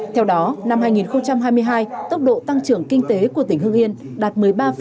theo đó năm hai nghìn hai mươi hai tốc độ tăng trưởng kinh tế của tỉnh hương yên đạt một mươi ba năm